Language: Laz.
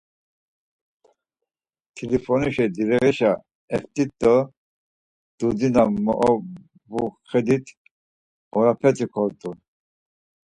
T̆ilifonişi direğişa eft̆it do dudi na moovuxedit orapeti kort̆u.